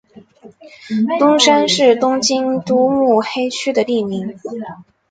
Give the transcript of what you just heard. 东山是东京都目黑区的地名。